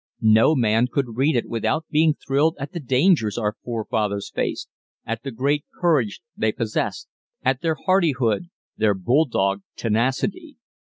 No man could read it without being thrilled at the dangers our forefathers faced ... at the great courage they possessed ... at their hardihood ... their bulldog tenacity.